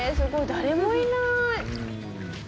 誰もいない！